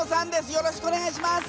よろしくお願いします。